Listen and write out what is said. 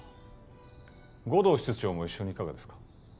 護道室長も一緒にいかがですか？